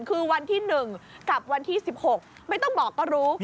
คือวันที่๑กับวันที่๑๖ไม่ต้องบอกก็รู้